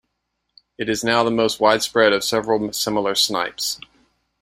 It is the most widespread of several similar snipes.